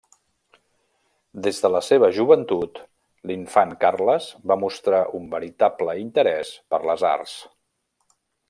Des de la seva joventut, l'infant Carles va mostrar un veritable interès per les arts.